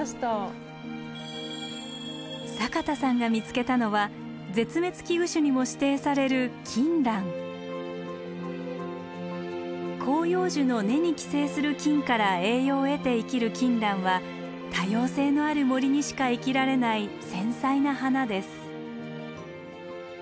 坂田さんが見つけたのは絶滅危惧種にも指定される広葉樹の根に寄生する菌から栄養を得て生きるキンランは多様性のある森にしか生きられない繊細な花です。